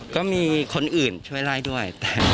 ก็มีคนอื่นช่วยไล่ด้วย